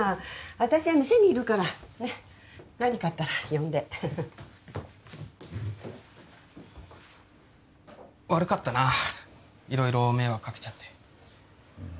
私は店にいるからねっ何かあったら呼んで悪かったな色々迷惑かけちゃってううん